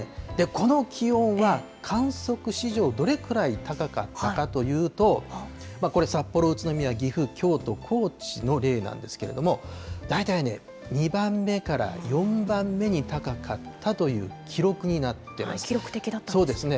この気温は観測史上どれくらい高かったかというと、これ、札幌、宇都宮、岐阜、京都、高知の例なんですけれども、大体ね、２番目から４番目に高かった記録的だったんですね。